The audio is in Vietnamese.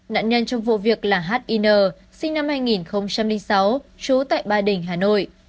nạn nhân trong vụ việc là h i n sinh năm hai nghìn sáu trú tại ba đình hà nội